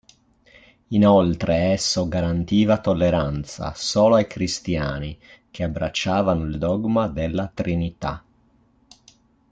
Inoltre esso garantiva tolleranza solo ai cristiani che abbracciavano il dogma della trinità.